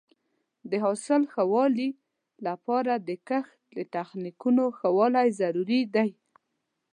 د حاصل د ښه والي لپاره د کښت د تخنیکونو ښه والی ضروري دی.